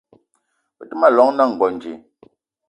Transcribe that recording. Be te ma llong na Ngonj